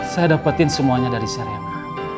saya dapetin semuanya dari serena